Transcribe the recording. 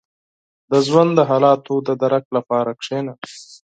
• د ژوند د حالاتو د درک لپاره کښېنه.